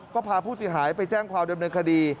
ก็พาผู้เสียหายไปแจ้งความดำเนินคดี